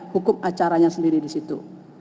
hukum acaranya sendiri disitu